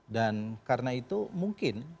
dan karena itu mungkin